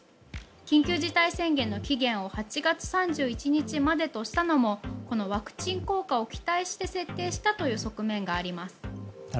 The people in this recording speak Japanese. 緊急事態宣言の期限を８月３１日までとしたのもこのワクチン効果を期待して設定したという側面があります。